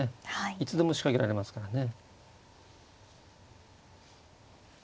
いつでも仕掛けられますからね。